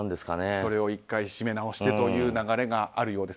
それを１回締め直してという流れがあるようです。